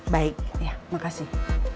baik ya makasih